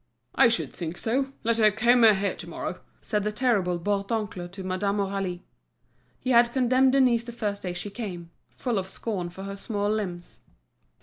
"I should think so; let her comb her hair to morrow," said the terrible Bourdoncle to Madame Aurélie. He had condemned Denise the first day she came, full of scorn for her small limbs.